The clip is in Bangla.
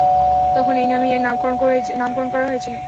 তখন এই নামেই এর নামকরণ হয়েছিলো।